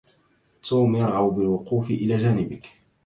توم يرغب بالوقوف إلى جانبك.